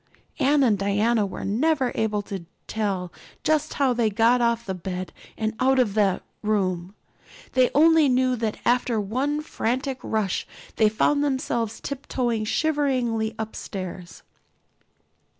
Anne and Diana were never able to tell just how they got off that bed and out of the room. They only knew that after one frantic rush they found themselves tiptoeing shiveringly upstairs.